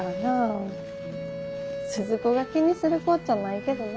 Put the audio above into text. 鈴子が気にするこっちゃないけどな。